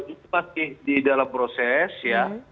itu masih di dalam proses ya